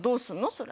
それ。